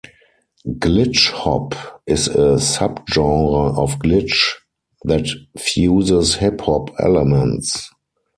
Glitch hop is a subgenre of glitch that fuses hip hop elements.